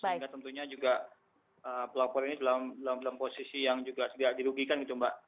sehingga tentunya juga pelapor ini dalam posisi yang juga tidak dirugikan gitu mbak